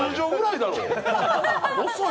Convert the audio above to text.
遅い？